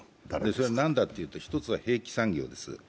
それは何かというと一つは兵器産業です。